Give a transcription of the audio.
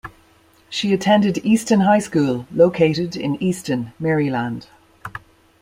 She attended Easton High School, located in Easton, Maryland.